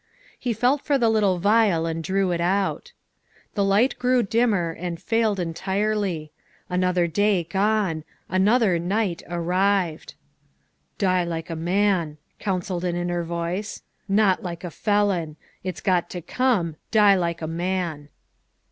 He felt for the little vial and drew it out. The light grew dimmer and failed entirely. Another day gone ; another night arrived. " Die like a man," counselled an inner voice, " not like a felon. It's got to come. Die like a man."